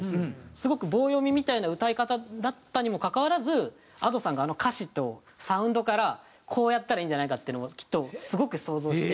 すごく棒読みみたいな歌い方だったにもかかわらずＡｄｏさんがあの歌詞とサウンドからこうやったらいいんじゃないかっていうのをきっとすごく想像して。